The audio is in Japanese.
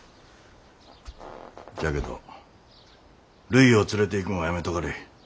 じゃけどるいを連れていくんはやめとかれ。